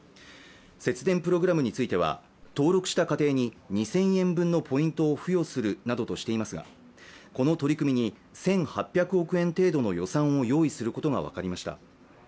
節電プログラムについては登録した家庭に２０００円分のポイントを付与するなどとしていますがこの取り組みに１８００億円程度の予算を用意することが分かりました。